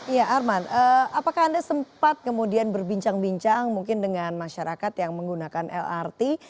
ya arman apakah anda sempat kemudian berbincang bincang mungkin dengan masyarakat yang menggunakan lrt